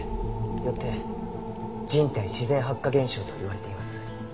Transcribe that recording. よって人体自然発火現象といわれています。